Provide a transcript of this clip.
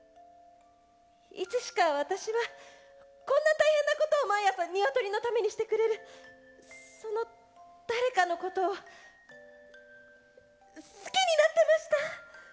いつしか私はこんな大変なことを毎朝ニワトリのためにしてくれるその誰かのことを好きになってました。